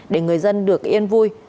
để người dân được yên vui